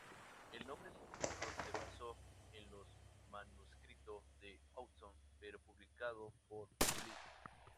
El nombre científico se basó en los manuscrito de Hodgson pero publicado por Blyth.